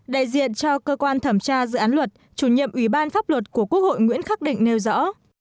đại diện cho cơ quan thẩm tra dự án luật chủ nhiệm ủy ban pháp luật của quốc hội nguyễn khắc định nêu rõ